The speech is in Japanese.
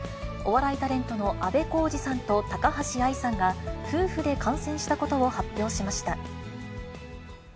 お笑いタレントのあべこうじさんと高橋愛さんが、夫婦で感染したことを発表しました。